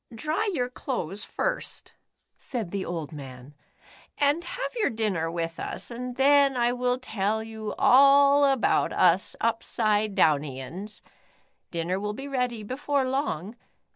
"Dry your clothes first," said the old man, *' and have your dinner with us, and then I will tell you all about us Upsidedownians. Dinner will be ready before long.